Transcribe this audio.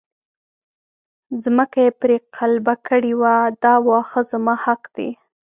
ځمکه یې پرې قلبه کړې وه دا واښه زما حق دی.